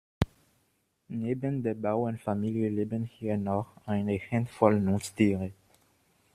Neben der Bauernfamilie leben hier noch eine Handvoll Nutztiere.